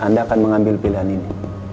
anda akan mengambil pilihan ini